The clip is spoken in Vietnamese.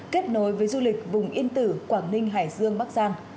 kết nối với du lịch vùng yên tử quảng ninh hải dương bắc giang